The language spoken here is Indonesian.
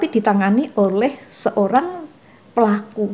dimanipulasi oleh seorang pelaku